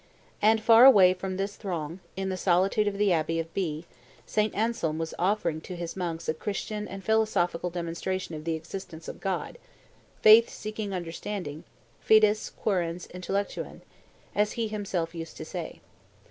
And far away from this throng, in the solitude of the abbey of Bee, St. Anselm was offering to his monks a Christian and philosophical demonstration of the existence of God "faith seeking understanding" (fides quoerens intellectuan), as he himself used to say.